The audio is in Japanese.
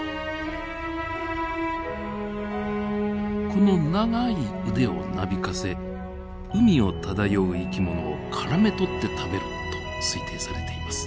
この長い腕をなびかせ海を漂う生き物をからめ捕って食べると推定されています。